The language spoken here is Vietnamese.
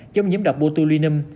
giống nhiễm độc botulinum